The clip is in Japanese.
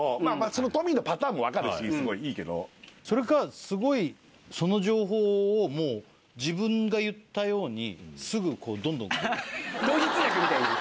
そのトミーのパターンも分かるしすごいいいけどそれかすごいその情報をもう自分が言ったようにすぐどんどんこううんやったら・いける？